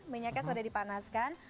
minyaknya sudah dipanaskan